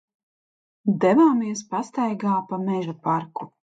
Devāmies pastaigā pa Mežaparku.